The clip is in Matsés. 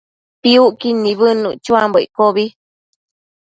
Piucquid nibëdnuc chuambo iccobi